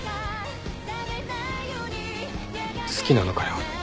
好きなのかよ。